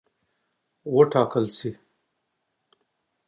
وټاکلي سي.